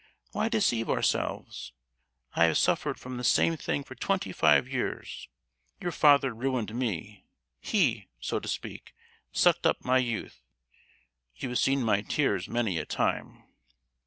Why deceive ourselves? I have suffered from the same thing for twenty five years; your father ruined me—he, so to speak, sucked up my youth! You have seen my tears many a time!